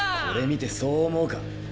これ見てそう思うか？